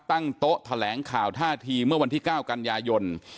ตั้งโต๊ะแถลงข่าวท่าทีเมื่อวันที่๙กันยายน